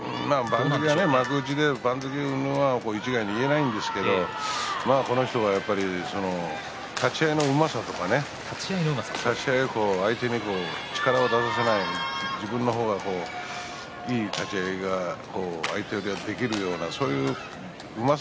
幕内で番付というのは一概には言えないんですけどこの人は立ち合いのうまさとか立ち合い、相手に力を出させない自分の方がいい立ち合いが相手よりできるようなそんなうまさ